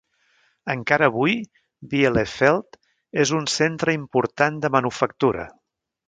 Encara avui, Bielefeld és un centre important de manufactura.